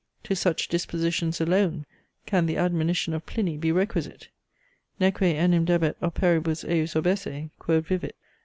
To such dispositions alone can the admonition of Pliny be requisite, Neque enim debet operibus ejus obesse, quod vivit.